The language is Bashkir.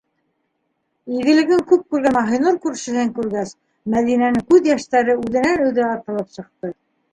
Игелеген күп күргән Маһинур күршеһен күргәс, Мәҙинәнең күҙ йәштәре үҙенән-үҙе атылып сыҡты.